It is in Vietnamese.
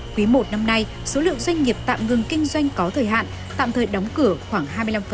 quý i năm nay số lượng doanh nghiệp tạm ngừng kinh doanh có thời hạn tạm thời đóng cửa khoảng hai mươi năm